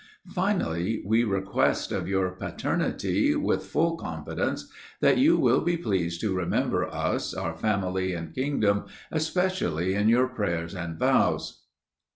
Finally, we request of your Paternity, with full confidence, that you will be pleased to remember us, our family, and kingdom, especially in your prayers and vows."